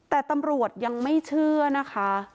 แต่ตำรวจยังไม่เชื่อนะคะ